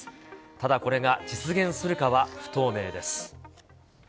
ただこれが実現するかは不透明です。